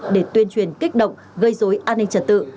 để tuyên truyền kích động gây dối an ninh trật tự